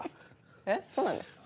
えっそうなんですか？